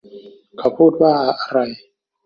เขาพูดว่าอะไร